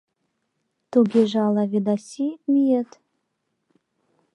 — Тугеже ала, Ведаси, миет?